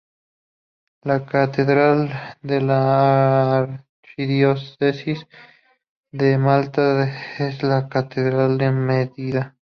La catedral de la archidiócesis de Malta es la catedral de Medina.